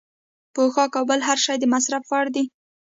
پوښاک او بل هر شی د مصرف وړ دی.